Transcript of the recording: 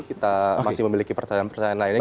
kita masih memiliki pertanyaan pertanyaan lainnya